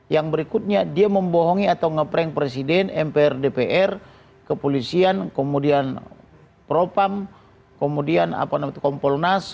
yang berikutnya dia membohongi atau ngeprank presiden mpr dpr kepolisian kemudian propam kemudian kompulunas